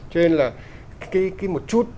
cho nên là cái một chút